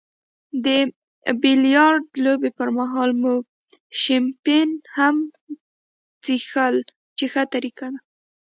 د بیلیارډ لوبې پرمهال مو شیمپین هم څیښل چې ښه طریقه وه.